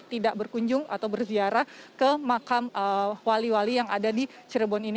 tidak berkunjung atau berziarah ke makam wali wali yang ada di cirebon ini